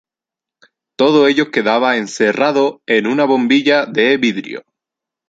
Todo ello quedaba encerrado en una bombilla de vidrio.